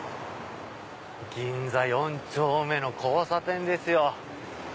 銀座四丁目の交差点ですよ。